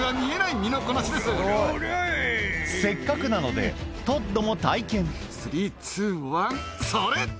せっかくなのでトッドも体験スリーツーワンそれ！